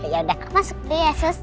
yaudah aku masuk deh ya sus